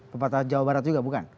pepatah jawa barat juga bukan